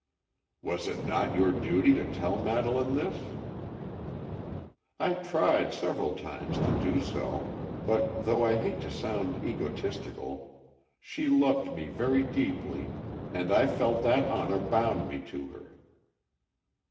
"Was it not your duty to tell Madeleine this?" "I tried several times to do so, but, though I hate to sound egotistical, she loved me very deeply, and I felt that honor bound me to her."